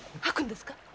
吐くんですか？